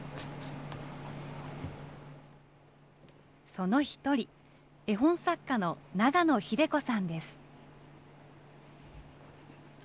その一人、絵本作家の長野ヒデ子さんです。